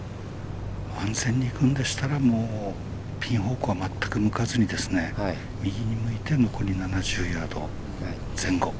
安全にいくんでしたらピン方向は全く向かずに右に向いて残り７０ヤード前後。